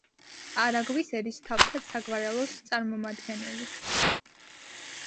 არაგვის ერისთავთა საგვარეულოს წარმომადგენელი.